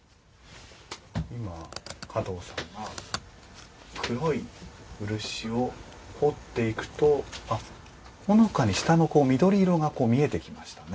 今加藤さんが黒い漆を彫っていくとあっほのかに下の緑色が見えてきましたね。